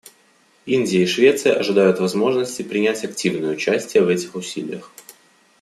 Индия и Швеция ожидают возможности принять активное участие в этих усилиях.